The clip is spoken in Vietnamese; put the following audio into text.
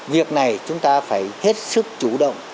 việc này chúng ta phải hết sức chủ động